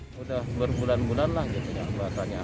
sudah berbulan bulan lah jembatannya